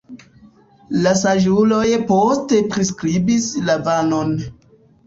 La saĝuloj poste priskribis Lavanon.